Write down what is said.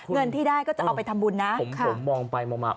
เงินที่ได้ก็จะเอาไปทำบุญนะผมผมมองไปมองมา